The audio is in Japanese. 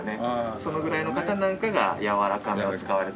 そのぐらいの方なんかがやわらかめを使われたり。